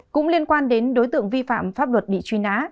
cũng liên quan đến đối tượng vi phạm pháp luật bị truy nã